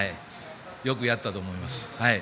よくやったと思います。